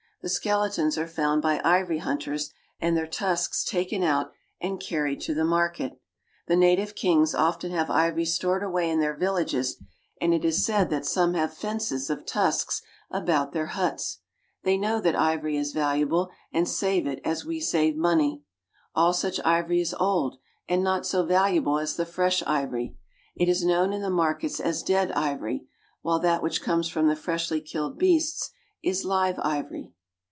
The skeletons are found by ivory hunters, and their tusks taken out and carried to the market. The native kings often have ivory stored away in their villages, and it is said that some have fences of tusks about their huts. They know that ivory is valuable, and save it as we save money. All such ivory is old, and not so valuable as the fresh ivory. It is known in the markets as dead ivory, while that which comes from the freshly killed beasts is live ivory.